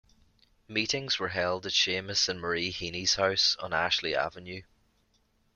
Meetings were held at Seamus and Marie Heaney's house on Ashley Avenue.